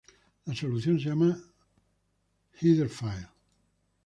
La solución se llama "header file".